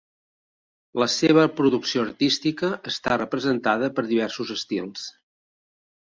La seva producció artística està representada per diversos estils.